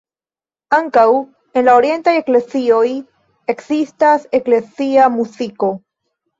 Ankaŭ en la orientaj eklezioj ekzistas eklezia muziko.